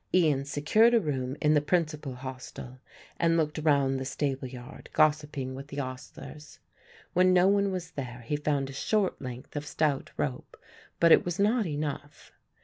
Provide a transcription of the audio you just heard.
Ian secured a room in the principal hostel and looked round the stable yard, gossiping with the ostlers. When no one was there he found a short length of stout rope, but it was not enough.